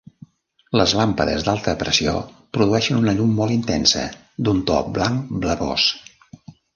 Les làmpades d'alta pressió produeixen una llum molt intensa d'un to blanc blavós.